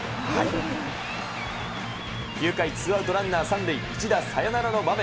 ９回、ツーアウトランナー３塁、１打サヨナラの場面。